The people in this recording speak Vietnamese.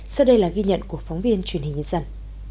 sau đây là ghi nhận của phóng viên truyền hình nhân dân